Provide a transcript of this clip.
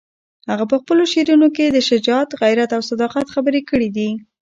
هغه په خپلو شعرونو کې د شجاعت، غیرت او صداقت خبرې کړې دي.